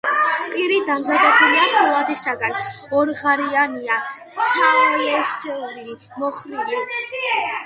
პირი დამზადებულია ფოლადისაგან, ორღარიანია, ცალლესული, მოხრილი.